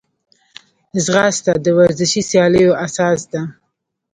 ځغاسته د ورزشي سیالیو اساس ده